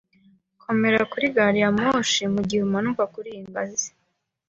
Komera kuri gari ya moshi mugihe umanuka kuriyi ngazi.